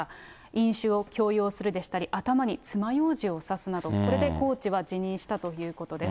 飲酒を強要するでしたり、頭につまようじを刺すなど、これでコーチは辞任したということです。